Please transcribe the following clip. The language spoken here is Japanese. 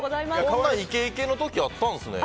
こんなイケイケの時あったんですね。